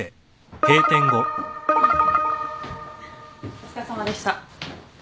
お疲れさまでした。